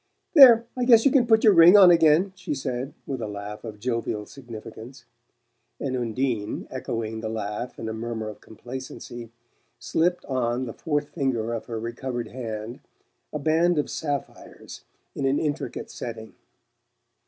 "There! I guess you can put your ring on again," she said with a laugh of jovial significance; and Undine, echoing the laugh in a murmur of complacency, slipped on the fourth finger of her recovered hand a band of sapphires in an intricate setting.